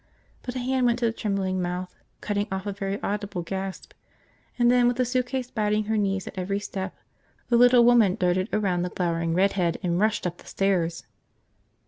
But a hand went to the trembling mouth, cutting off a very audible gasp; and then with the suitcase batting her knees at every step, the little woman darted around the glowering redhead and rushed up the stairs.